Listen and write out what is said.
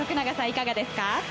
いかがですか？